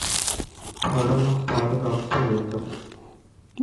வருமுன் பாதுகாப்பு வேண்டும்.